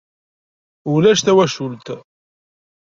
Ulac tawacult.